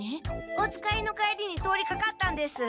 お使いの帰りに通りかかったんです。